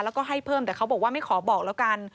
แล้วก็ให้เพิ่มแต่เขาบอกว่าไม่ขอบอกแล้วกัน